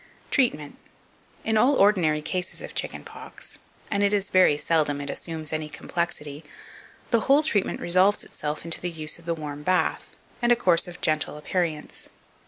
2541. Treatment. In all ordinary cases of chicken pox and it is very seldom it assumes any complexity the whole treatment resolves itself into the use of the warm bath, and a course of gentle aperients.